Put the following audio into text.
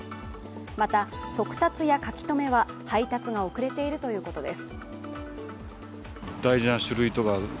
また、速達や書留は配達が遅れているということです。